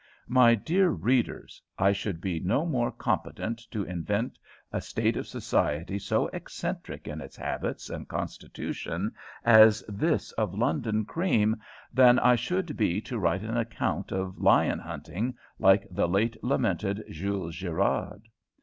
My dear readers, I should be no more competent to invent a state of society so eccentric in its habits and constitution as this of London cream, than I should be to write an account of lion hunting like the late lamented Jules Gerard.